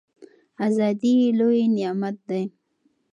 ازادي لوی نعمت دی.